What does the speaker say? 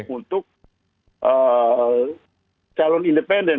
untuk calon independen